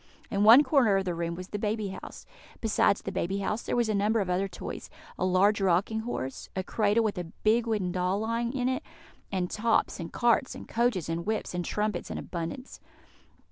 In one corner of the room was the baby house. Besides the baby house, there was a number of other toys a large rocking horse, a cradle with a big wooden doll lying in it, and tops, and carts, and coaches, and whips, and trumpets in abundance.